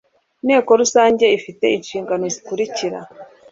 inteko rusange ifite nshingano zikurikira